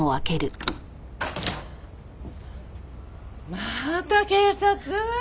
また警察！？